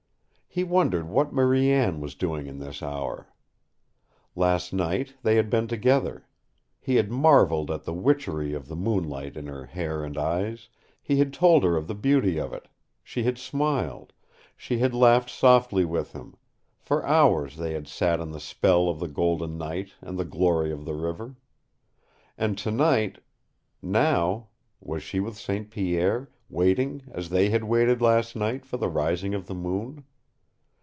He wondered what Marie Anne was doing in this hour. Last night they had been together. He had marveled at the witchery of the moonlight in her hair and eyes, he had told her of the beauty of it, she had smiled, she had laughed softly with him for hours they had sat in the spell of the golden night and the glory of the river. And tonight now was she with St. Pierre, waiting as they had waited last night for the rising of the moon?